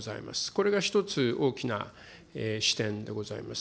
これが一つ、大きな視点でございます。